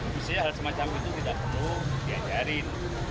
mesti hal semacam itu tidak perlu diajarin